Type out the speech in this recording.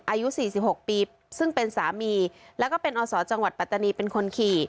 อายุ๔๖ปีซึ่งเป็นสามีแล้วก็เป็นอศจังหวัดปัตตานีเป็นคนขี่